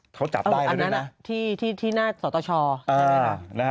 เขาจับได้แล้วด้วยนะอันนั้นอ่ะที่ที่ที่หน้าสตชอ่านะฮะ